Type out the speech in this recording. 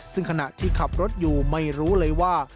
ซึ่งขณะที่ขับรถอยู่ไม่รู้เลยว่า